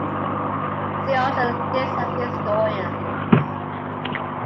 See also List of historians.